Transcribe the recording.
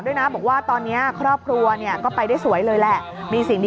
ด้วยนะบอกว่าตอนนี้ครอบครัวเนี่ยก็ไปได้สวยเลยแหละมีสิ่งที่